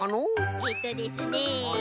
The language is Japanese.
えっとですね